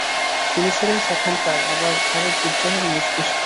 তিনি ছিলেন সেখানকার আরব বিদ্রোহের মস্তিষ্ক।